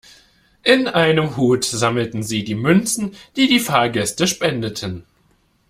In einem Hut sammelten Sie die Münzen, die die Fahrgäste spendeten.